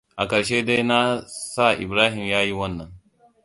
A karshe dai na sa Ibrahim ya yi wannan.